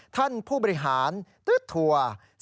ท่านผู้บริหารตื๊ดทัวร์